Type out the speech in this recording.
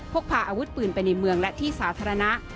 พกพาอาวุธปืนไปในเมืองและที่สาธารณะ